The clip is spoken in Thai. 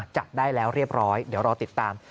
จับได้แล้วเรียบร้อยเดี๋ยวรอติดตาม